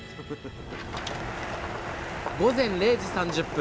午前０時３０分